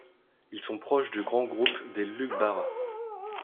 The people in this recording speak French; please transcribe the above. Ils sont proches du grand groupe des Lugbara.